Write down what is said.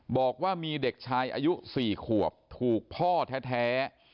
บอกว่ามีเด็กชายอายุ๔ขวบถูกพ่อแท้